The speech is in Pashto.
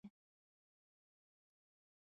که د ځینو پاکو مشرانو ښه سلیقه نه وای